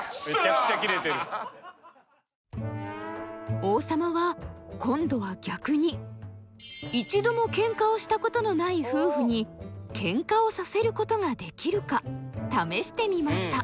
王様は今度は逆に一度もケンカをしたことのない夫婦にケンカをさせることができるか試してみました。